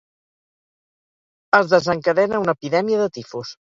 Es desencadena una epidèmia de tifus.